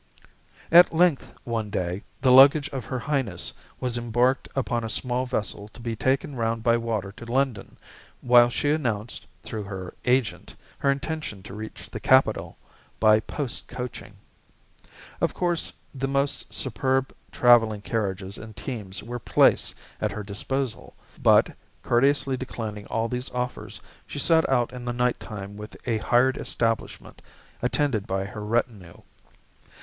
At length one day, the luggage of her Highness was embarked upon a small vessel to be taken round by water to London, while she announced, through her "agent," her intention to reach the capital by post coaching. Of course, the most superb traveling carriages and teams were placed at her disposal; but, courteously declining all these offers, she set out in the night time with a hired establishment, attended by her retinue.